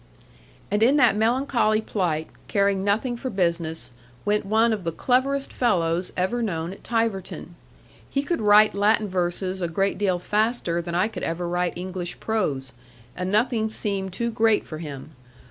And in that melancholy plight, caring nothing for business, went one of the cleverest fellows ever known at Tiverton. He could write Latin verses a great deal faster than I could ever write English prose, and nothing seemed too great for him.